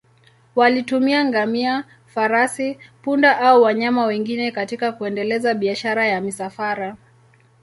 Walitumia ngamia, farasi, punda au wanyama wengine katika kuendeleza biashara ya misafara.